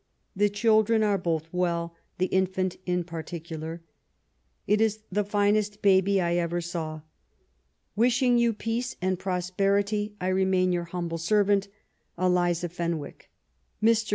The children are both well, the infant in particular. It is the finest baby I ever saw. Wishing you peace and prosperity, I remain your humble servant, Eliza Fenwiok. Mr.